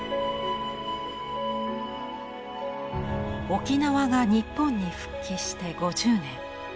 沖縄が日本に復帰して５０年。